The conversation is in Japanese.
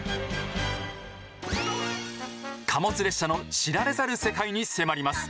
貨物列車の知られざる世界に迫ります。